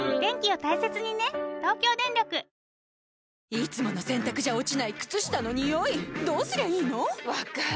いつもの洗たくじゃ落ちない靴下のニオイどうすりゃいいの⁉分かる。